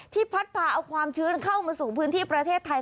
พัดพาเอาความชื้นเข้ามาสู่พื้นที่ประเทศไทย